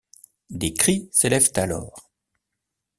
Des cris s’élèvent alors.